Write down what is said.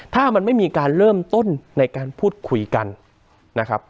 ถ้ามันไม่มีการเริ่มต้นในการพูดคุยกันนะครับ